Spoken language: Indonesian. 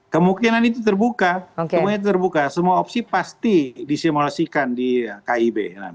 kemungkinan itu terbuka semua opsi pasti disimulasikan di kib